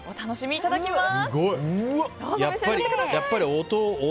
いただきます。